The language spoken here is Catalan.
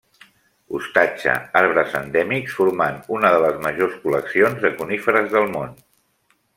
Hostatja arbres endèmics formant una de les majors col·leccions de coníferes del món.